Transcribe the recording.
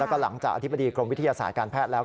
แล้วก็หลังจากอธิบดีกรมวิทยาศาสตร์การแพทย์แล้ว